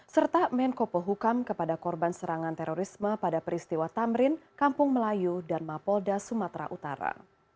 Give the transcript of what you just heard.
serta menko pohukam kepada korban serangan terorisme pada peristiwa tamrin kampung melayu dan mapolda sumatera utara